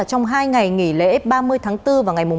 trong hai ngày nghỉ lễ ba mươi tháng bốn và ngày một